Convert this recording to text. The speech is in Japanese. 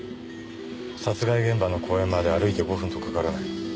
殺害現場の公園まで歩いて５分とかからない。